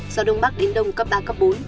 gió đông bắc đến đông cấp ba cấp bốn